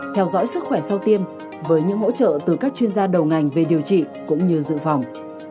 theo dõi sức khỏe sau tiêm với những hỗ trợ từ các chuyên gia đầu ngành về điều trị cũng như dự phòng